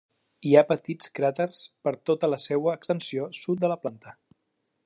Hi ha petits cràters per tota la seua extensió sud de la planta.